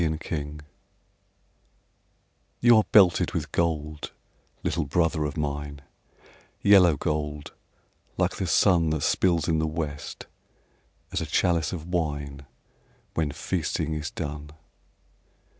THE HOMING BEE You are belted with gold, little brother of mine, Yellow gold, like the sun That spills in the west, as a chalice of wine When feasting is done.